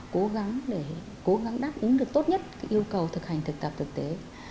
cố gắng để cố gắng đáp ứng được tốt nhất yêu cầu thực hành thực tập thực tế